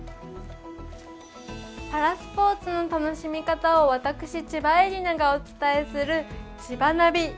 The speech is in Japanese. パラスポーツの楽しみ方を私、千葉絵里菜がお伝えする「ちばナビ」。